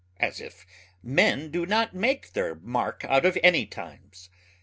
As if men do not make their mark out of any times!